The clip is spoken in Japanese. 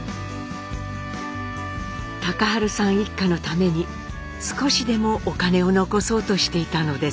隆治さん一家のために少しでもお金を残そうとしていたのです。